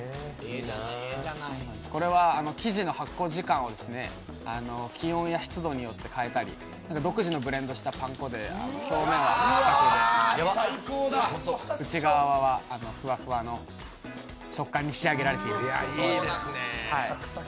これは、生地の発酵時間を気温や湿度によって変えたり、独自のブレンドしたパン粉で表面はサクサク、内側はフワフワの食感に仕上げられています。